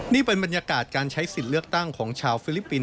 นี่เป็นบรรยากาศการใช้สิทธิ์เลือกตั้งของชาวฟิลิปปินส